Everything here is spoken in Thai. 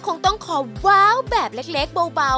คงต้องขอว้าวแบบเล็กเบา